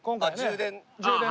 『充電』？